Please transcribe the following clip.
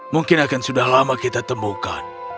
mungkin akan sudah lama kita temukan